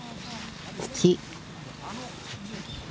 土。